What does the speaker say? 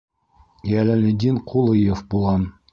Йәләлетдин Ҡулыев булам.